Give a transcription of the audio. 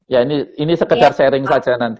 ya ini sekedar sharing saja nanti